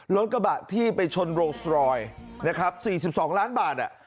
รถกระบะที่ไปชนโรสลอย๔๒ล้านบาท